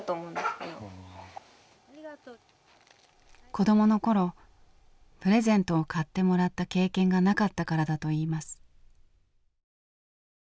子どもの頃プレゼントを買ってもらった経験がなかったからだといいます。